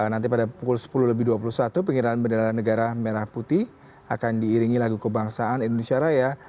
nanti pada pukul sepuluh lebih dua puluh satu pengiran bendera negara merah putih akan diiringi lagu kebangsaan indonesia raya